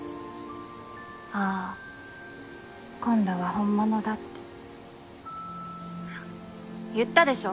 あぁ今度は本物だって。はっ言ったでしょ？